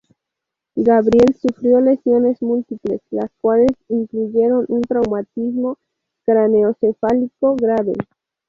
Gabriel sufrió lesiones múltiples, las cuales incluyeron un traumatismo craneoencefálico grave.